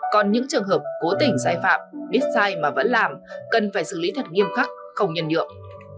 còn những trường hợp cố tình sai phạm biết sai mà vẫn làm cần phải xử lý thật nghiêm khắc không nhân nhượng